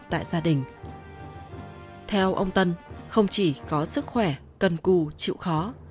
theo ông tân không chỉ có sức khỏe cần cù chịu khó